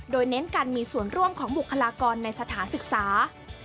โดยเน้นการมีส่วนร่วมของบุคลากรในสถานศึกษา